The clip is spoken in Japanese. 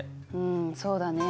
んそうだね。